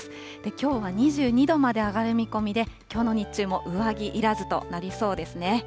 きょうは２２度まで上がる見込みで、きょうの日中も上着いらずとなりそうですね。